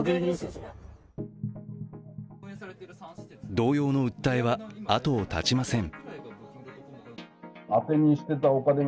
同様の訴えは後を絶ちません。